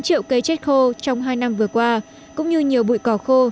năm triệu cây chết khô trong hai năm vừa qua cũng như nhiều bụi cỏ khô